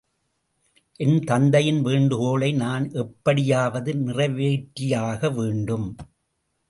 என் தந்தையின் வேண்டுகோளை நான் எப்படியாவது நிறைவேற்றியாக வேண்டும்.